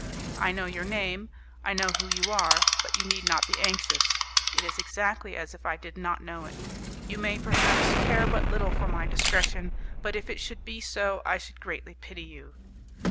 I know your name, I know who you are, but you need not be anxious; it is exactly as if I did not know it. You may, perhaps, care but little for my discretion, but if it should be so I should greatly pity you.